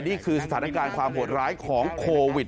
นี่คือสถานการณ์ความโหดร้ายของโควิด